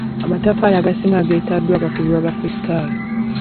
Amataffaali agasinga ageetaagibwa kaakubibwa bakulisitaayo.